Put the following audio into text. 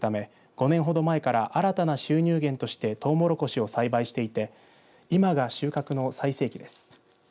５年ほど前から新たな収入源としてトウモロコシを栽培していて今が収穫の最盛期です。